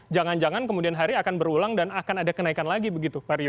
jangan jangan kemudian hari akan berulang dan akan ada kenaikan lagi begitu pak rio